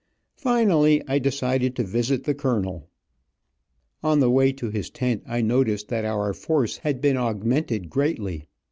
Finally I decided to visit the colonel. On the way to his tent I noticed that our force had been augmented greatly.